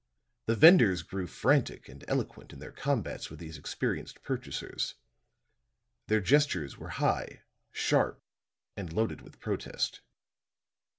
The vendors grew frantic and eloquent in their combats with these experienced purchasers; their gestures were high, sharp and loaded with protest.